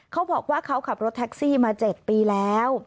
เขาบอกว่าเขาขับรถแท็กซี่มา๗ปีแล้ว